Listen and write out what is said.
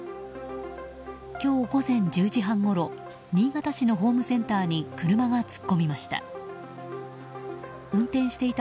今日午前１０時半ごろ新潟市のホームセンターに車が突っ込みました。